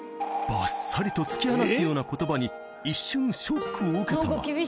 ばっさりと突き放すようなことばに、一瞬ショックを受けたが。